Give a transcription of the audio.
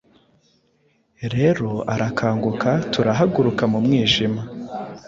rero arakanguka, turahaguruka mu mwijima,